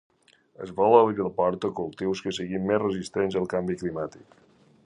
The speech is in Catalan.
es vol obrir la porta a cultius que siguin més resistents al canvi climàtic